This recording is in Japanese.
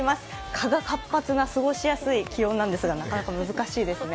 蚊が活発な過ごしやすい気温なんですがなかなか難しいですね。